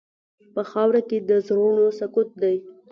په خاوره کې د زړونو سکوت دی.